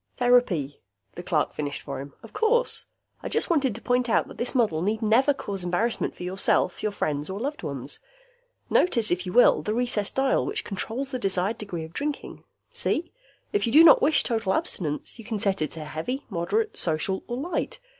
"Therapy," the clerk finished for him. "Of course. I just wanted to point out that this model need never cause embarrassment for yourself, your friends or loved ones. Notice, if you will, the recessed dial which controls the desired degree of drinking. See? If you do not wish total abstinence, you can set it to heavy, moderate, social or light.